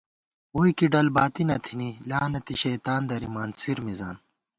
ووئی کی ڈل باتی نہ تھنی ، لعنتی شیطان درِمان څِر مِزان